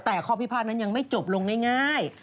แต่ข้อพิพาทนั้นยังไม่จบลงง่าย